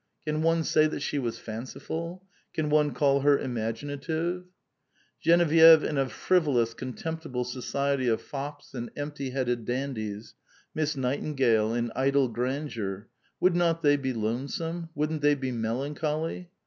Can one say that she was fanciful ? Can one call her imaginative ?. Genevieve in a frivolous, contemptible society of fops and em pt} headed dandies, Miss Nightingale in idle grandeur, would not they be lonesome? wouldn't they be melancholy?